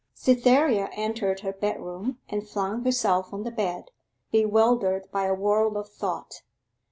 Cytherea entered her bedroom, and flung herself on the bed, bewildered by a whirl of thought.